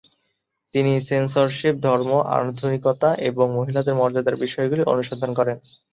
তিনি সেন্সরশিপ, ধর্ম, আধুনিকতা এবং মহিলাদের মর্যাদার বিষয়গুলি অনুসন্ধান করেন।